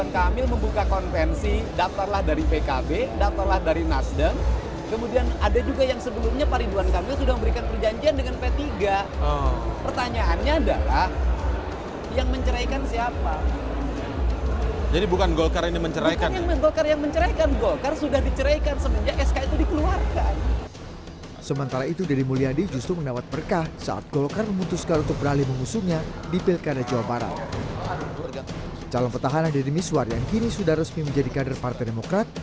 calon pertahanan dari miswar yang kini sudah resmi menjadi kader partai demokrat